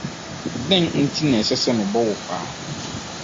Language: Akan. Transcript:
Deɛn nti na ɛsɛ sɛ mebɔ wo paa?